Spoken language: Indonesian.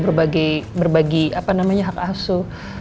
berbagi berbagi apa namanya hak asuh